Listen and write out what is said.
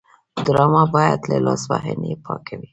ډرامه باید له لاسوهنې پاکه وي